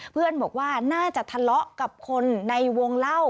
เพื่อนบอกว่าน่าจะทะเลาะกับคนในวงเล่า